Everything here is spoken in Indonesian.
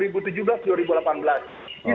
dua ribu tujuh belas dua ribu delapan belas